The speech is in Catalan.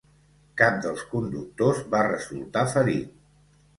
Cap dels conductors va resultar ferit.